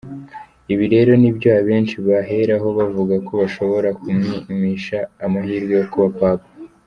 Ibi rero ni byo abenshi baheraho bavuga ko bishobora kumwimisha amahirwe yo kuba Papa.